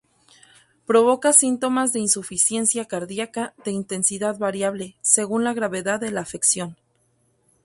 Provoca síntomas de insuficiencia cardiaca de intensidad variable según la gravedad de la afección.